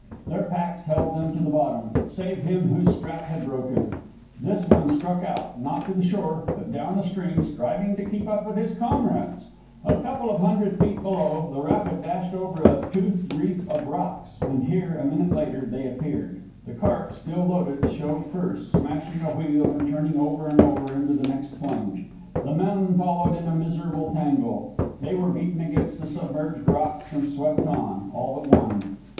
Their packs held them to the bottom, save him whose strap had broken. This one struck out, not to the shore, but down the stream, striving to keep up with his comrades. A couple of hundred feet below, the rapid dashed over a toothed reef of rocks, and here, a minute later, they appeared. The cart, still loaded, showed first, smashing a wheel and turning over and over into the next plunge. The men followed in a miserable tangle. They were beaten against the submerged rocks and swept on, all but one.